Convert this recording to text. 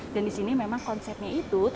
dan disini memang konsepnya itu